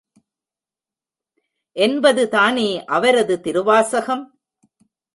என்பதுதானே அவரது திருவாசகம்.